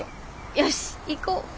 よしっ行こう。